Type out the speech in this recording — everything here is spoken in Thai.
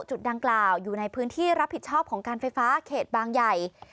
จุดดังกล่าวอยู่ในพื้นที่รับผิดชอบของการไฟฟ้าเขตบางใหญ่